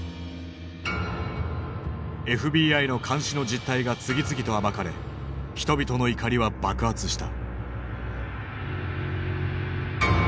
ＦＢＩの監視の実態が次々と暴かれ人々の怒りは爆発した。